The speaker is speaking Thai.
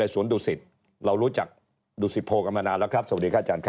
สวนดุสิตเรารู้จักดูสิโพกันมานานแล้วครับสวัสดีครับอาจารย์ครับ